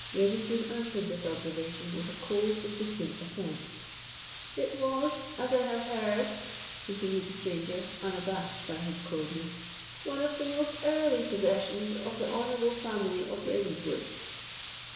Ravenswood answered this observation with a cold and distant assent. "It was, as I have heard," continued the stranger, unabashed by his coldness, "one of the most early possessions of the honourable family of Ravenswood."